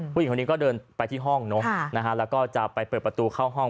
ผู้หญิงคนนี้ก็เดินไปที่ห้องเนอะนะฮะแล้วก็จะไปเปิดประตูเข้าห้อง